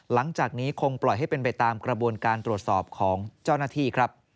หลังจากนี้คงปล่อยให้เป็นไปตามกระบวนการตรวจสอบของเจ้าหน้าที่ครับ